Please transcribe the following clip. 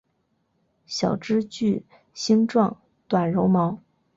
小枝具星状短柔毛。